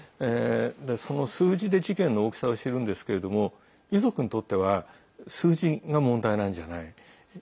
その数字で事件の大きさを知るんですけれども遺族にとっては数字が問題なんじゃない。